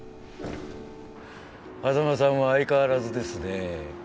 波佐間さんは相変わらずですね